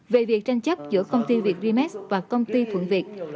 về việc tranh chấp giữa công ty việt remex và công ty thuận việt